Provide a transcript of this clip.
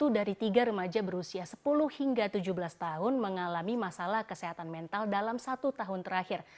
satu dari tiga remaja berusia sepuluh hingga tujuh belas tahun mengalami masalah kesehatan mental dalam satu tahun terakhir